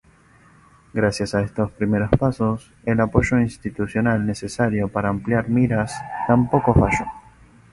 Gracias a estos primeros pasos, el apoyo institucional necesario para ampliar miras tampoco falló.